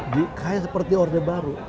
kayaknya seperti order baru